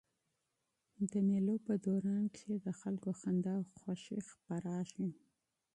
د مېلو په جریان کښي د خلکو خندا او خوښي خپریږي.